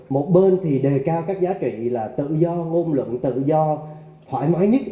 một bên thì đề cao các giá trị là tự do ngôn luận tự do thoải mái nhất